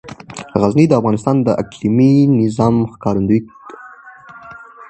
غزني د افغانستان د اقلیمي نظام ښکارندوی ده.